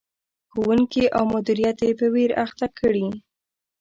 ښوونکي او مدیریت یې په ویر اخته کړي.